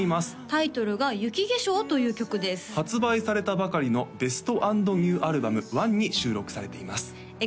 タイトルが「雪化粧」という曲です発売されたばかりのベスト＆ニューアルバム「ＯＮＥ」に収録されています